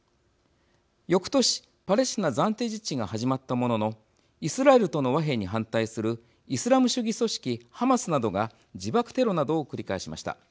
よくとしパレスチナ暫定自治が始まったもののイスラエルとの和平に反対するイスラム主義組織ハマスなどが自爆テロなどを繰り返しました。